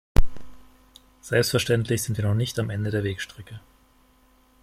Selbstverständlich sind wir noch nicht am Ende der Wegstrecke.